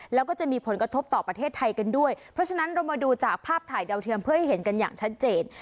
แล้วก็จะมีผลกระทบต่อประเทศไทยกันด้วยเพราะฉะนั้นเรามาดูจากภาพถ่ายดาวเทียมเพื่อให้เห็นกันอย่างชัดเจน